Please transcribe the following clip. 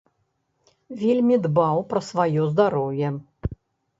Вельмі дбаў пра сваё здароўе.